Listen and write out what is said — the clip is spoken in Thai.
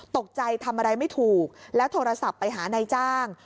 ตกใจทำอะไรไม่ถูกแล้วโทรศัพท์ไปหานายจ้าง